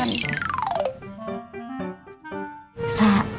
kamu semangat ya kami